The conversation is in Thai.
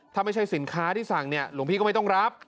ถ้าไม่ใช่สินค้าที่สั่งเนี่ยหลวงพี่ก็ไม่ต้องรับ